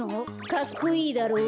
かっこいいだろう？